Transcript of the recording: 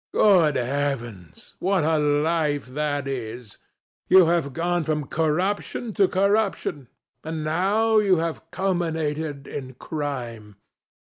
Good heavens! what a life that is! You have gone from corruption to corruption, and now you have culminated in crime.